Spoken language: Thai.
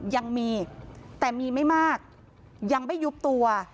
ยังมีแต่มีไม่มากยังไม่ยุบตัว